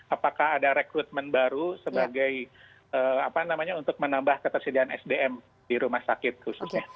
apakah ada rekrutmen baru untuk menambah ketersediaan sdm di rumah sakit khususnya